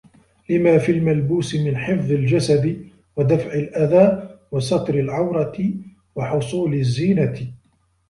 لِمَا فِي الْمَلْبُوسِ مِنْ حِفْظِ الْجَسَدِ وَدَفْعِ الْأَذَى وَسَتْرِ الْعَوْرَةِ وَحُصُولِ الزِّينَةِ